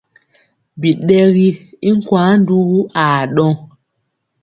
Biɗɛgi i nkwaŋ ndugu aa ɗɔŋ.